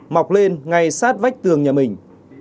mọc lên ngay sát vách tường nhà mình